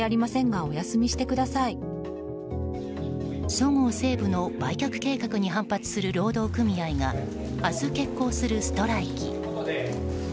そごう・西武の売却計画に反発する労働組合が明日、決行するストライキ。